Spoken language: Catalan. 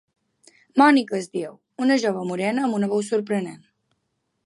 Mònica es diu, una jove morena amb una veu sorprenent.